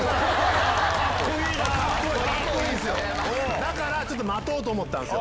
だから、ちょっと待とうと思ったんですよ。